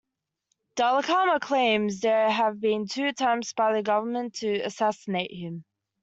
Dhlakama claims there have been two attempts by the government to assassinate him.